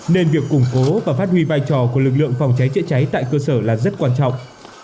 nên việc củng cố và phát huy vai trò của lực lượng phòng cháy chữa cháy tại cơ sở là rất quan trọng